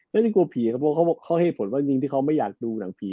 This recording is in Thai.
ยังกลัวผีครับเพราะเขาให้เหตุผลว่าจริงที่เขาไม่อยากดูหนังผี